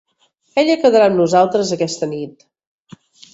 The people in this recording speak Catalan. Ella quedarà amb nosaltres aquesta nit.